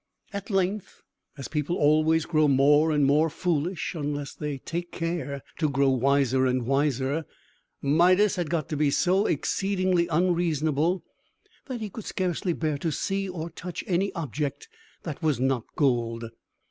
At length (as people always grow more and more foolish, unless they take care to grow wiser and wiser), Midas had got to be so exceedingly unreasonable that he could scarcely bear to see or touch any object that was not gold.